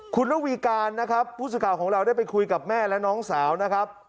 คุณระวีการนะครับผู้สื่อข่าวของเราได้ไปคุยกับแม่และน้องสาวนะครับ